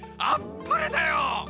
あっぱれだよ！